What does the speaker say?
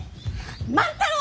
万太郎！